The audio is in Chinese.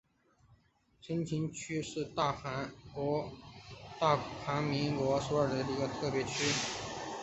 衿川区是大韩民国首都首尔特别市的一个区。